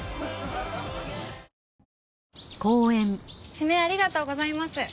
指名ありがとうございます。